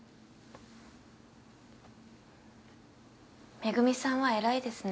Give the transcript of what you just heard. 恵美さんは偉いですね。